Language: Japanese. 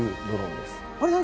あれっ何？